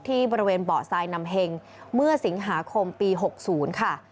ที่บริเวณเบาะทรายนำเห็งเมื่อสิงหาคมปี๖๐ค่ะ